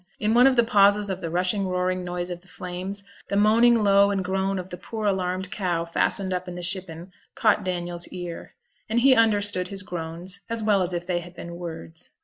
In one of the pauses of the rushing, roaring noise of the flames, the moaning low and groan of the poor alarmed cow fastened up in the shippen caught Daniel's ear, and he understood her groans as well as if they had been words.